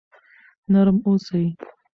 نرم اوسئ.